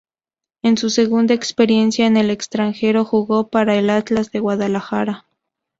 En su segunda experiencia en el extranjero jugó para el Atlas de Guadalajara.